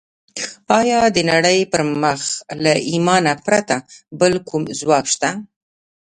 ایا د نړۍ پر مخ له ایمانه پرته کوم بل ځواک شته